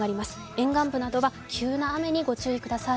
沿岸部などは急な雨にご注意ください。